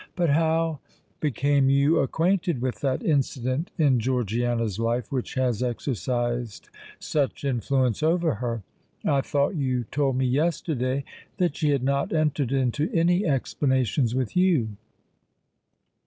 "But how became you acquainted with that incident in Georgiana's life which has exercised such influence over her? I thought you told me yesterday that she had not entered into any explanations with you?"